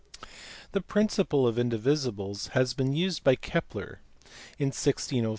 The principle of indivisibles had been used by Kepler (see above, p.